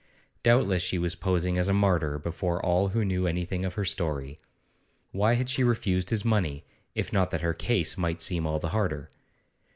Doubtless she was posing as a martyr before all who knew anything of her story; why had she refused his money, if not that her case might seem all the harder?